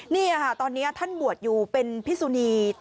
นี่ค่ะตอนนี้ท่านบวชอยู่เป็นพิสุนี